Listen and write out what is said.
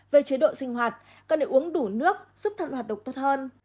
về chế độ sinh hoạt cần để uống đủ nước giúp thận hoạt độc tốt hơn